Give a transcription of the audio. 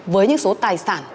với những số tài sản